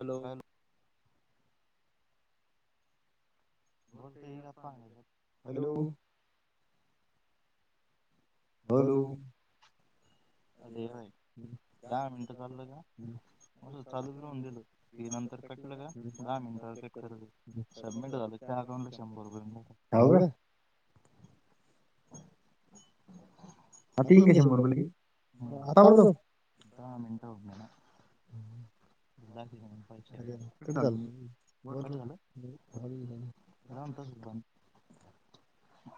Hello बोलतेता hello hello अरे बाय दहा मिनट चालल का असं चालू फिरहन दिल त नंतर कटलं का दहा मिनिटा कट कर सबमिट झालं त्या अकाउंट ला शंभर रुपये- ह का आ तींगश मुरब आतापहा कट झाल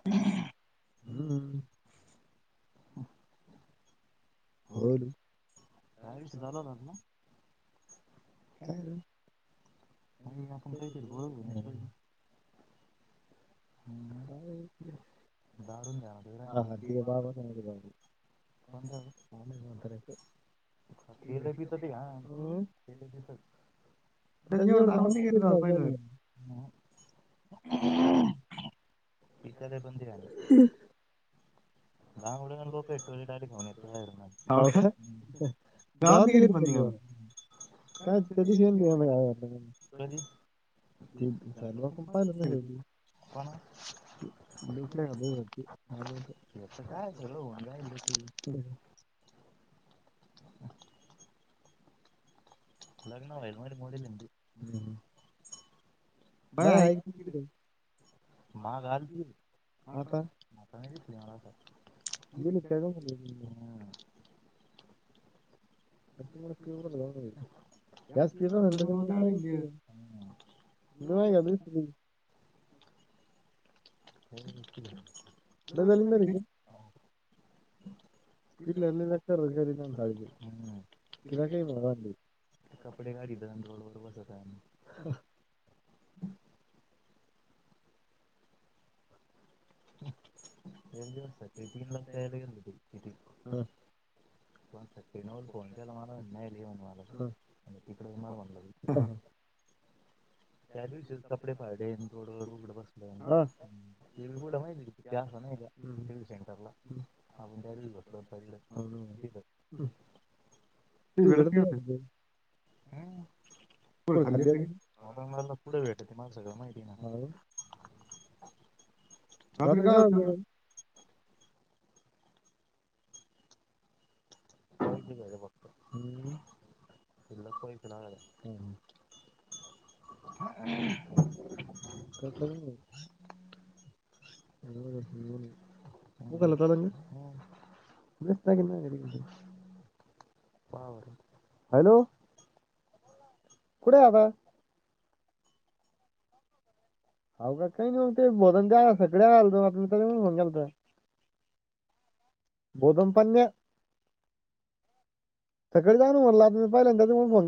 [unintelligible] हम् होल काय विष झाला ना ना काय आपण काही ब दडून द्यादी बा बा कोण द तेरे पे चा तेरे पे चा निवड [unintelligible] [inaudible] हाव का गवतन इकद काय त्याची शेन दे म कधी तेकम पाहिलं ना शव तू कोणा बले काय ल मज [unintelligible] [inaudible] ना वयरनर मोडीले ह बाय. मागल आलती आता वली त मु [unintelligible] नोईट येब्री फी बदल मरी इल्लल् द र गरली ह क का ब कपडे घारी दं रवर बसत एक दिवस हायत एस किलालेि हा पन फोन केला मला नाहील येऊन मला तिकडे मार म्हनलं त्या दिवशी कपडे पाडे थोडं रुघड बसलं ते बड माहिती इ असं नाही काग सेंटरला आपण त्या बसलो पाहिलं [inaudible] विेडत नइ होतय होय खाल्ली होती ना म मलाकुड भेटते मला सगळ माहितीय ना हाओ रात्री का जालत [unintelligible] नकोयकणा हम कसल र [unintelligible] [unintelligible] [unintelligible] [unintelligible] [unintelligible] हॅलो कुडेअ आता हो काकाइ नाइ म ते बोदन द्या सगळ्या तरी मंग [unintelligible] तोय बोदम पण्या सगळी जाण म्हणला तन पोन [unintelligible] [unintelligible]